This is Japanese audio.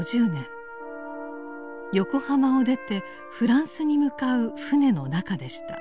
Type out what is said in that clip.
横浜を出てフランスに向かう船の中でした。